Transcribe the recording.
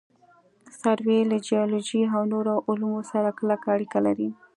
سروې له جیولوجي او نورو علومو سره کلکه اړیکه لري